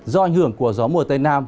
do ảnh hưởng của gió mùa tây nam